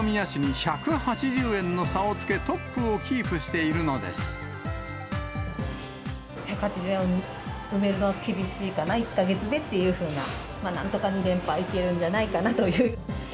１８０円を埋めるのは厳しいかな、１か月でっていうふうな、なんとか２連覇できるんじゃないかなという。